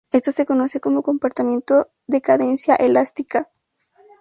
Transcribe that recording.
Esto se conoce como comportamiento de cadencia elástica.